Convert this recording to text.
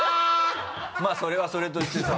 まぁそれはそれとしてさ。